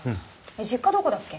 実家どこだっけ？